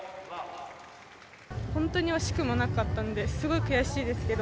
本当に惜しくもなかったので、すごい悔しいですけど。